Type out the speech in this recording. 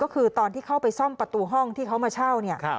ก็คือตอนที่เข้าไปซ่อมประตูห้องที่เขามาเช่าเนี่ย